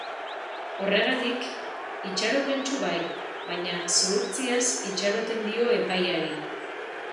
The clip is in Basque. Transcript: Horregatik, itxaropentsu bai, baina zuhurtziaz itxaroten dio epaiari.